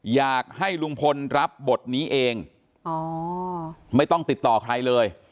อยากให้ลุงพลรับบทนี้เองอ๋อไม่ต้องติดต่อใครเลย